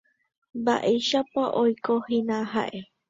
Mba'éichapa oikohína ha'e.